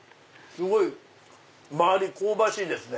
すごい周り香ばしいですね。